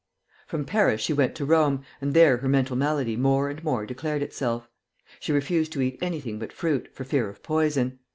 From Paris she went to Rome, and there her mental malady more and more declared itself. She refused to eat anything but fruit, for fear of poison.